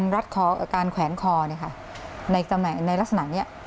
แล้วก็การแขวนคอในลักษณะนี้